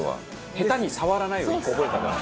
「下手に触らない」を１個覚えたから。